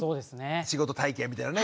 仕事体験みたいのね。